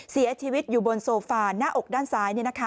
เสียชีวิตอยู่บนโซฟาหน้าอกด้านซ้าย